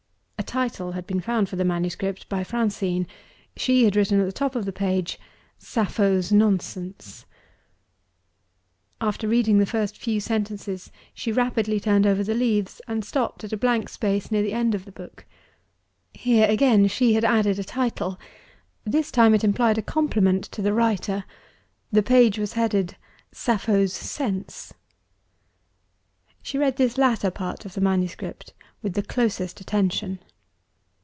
A title had been found for the manuscript by Francine. She had written at the top of the page: Sappho's Nonsense. After reading the first few sentences she rapidly turned over the leaves, and stopped at a blank space near the end of the book. Here again she had added a title. This time it implied a compliment to the writer: the page was headed: Sappho's Sense. She read this latter part of the manuscript with the closest attention.